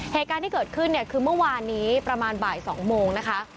เหตุการณ์ที่เกิดขึ้นเนี่ยคือเมื่อวานนี้ประมาณบ่าย๒โมงนะคะ